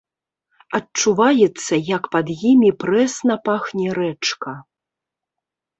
Адчуваецца, як пад імі прэсна пахне рэчка.